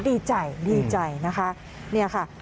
ดีใจดีใจนะคะนี่แหละค่ะ